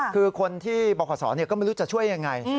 คือคนที่บขศก็ไม่รู้จะช่วยยังไง